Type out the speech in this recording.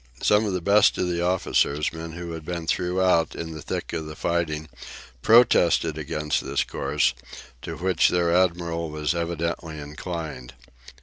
Some of the best of the officers, men who had been throughout in the thick of the fighting, protested against this course, to which their admiral was evidently inclined.